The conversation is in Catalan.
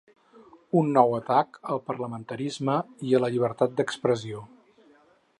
Un nou atac al parlamentarisme i a la llibertat d’expressió.